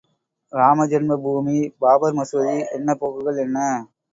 ராமஜன்ம பூமி பாபர் மசூதி எண்ணப் போக்குகள் என்ன?